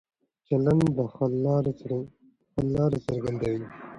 چلن د حل لاره څرګندوي.